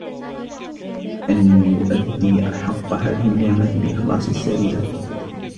أَنْ يُؤَدِّيَ حَقَّ هَذِهِ النِّعْمَةِ بِإِخْلَاصِ السَّرِيرَةِ